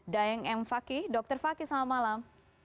dayeng m fakih dr fakih selamat malam